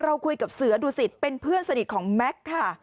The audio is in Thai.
คุยกับเสือดุสิตเป็นเพื่อนสนิทของแม็กซ์ค่ะ